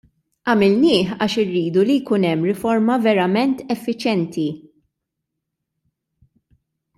Għamilnieh għax irridu li jkun hemm riforma verament effiċjenti.